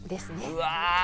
うわ。